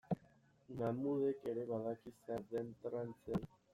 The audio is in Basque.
Mahmudek ere badaki zer den trantze hori.